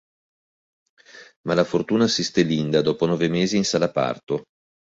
Ma la fortuna assiste Linda, dopo nove mesi è in sala parto.